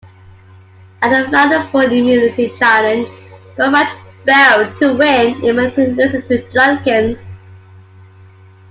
At the Final Four immunity challenge, Boatwright failed to win immunity, losing to Judkins.